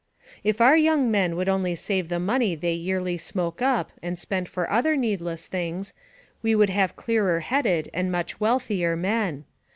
If our young men would only save the money they yearly smoke up and spend for other needless things, we would have clearer headed and much wealthier men.